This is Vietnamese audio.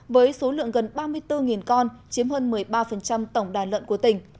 với số lượng gần ba mươi bốn con chiếm hơn một mươi ba tổng đàn lợn của tỉnh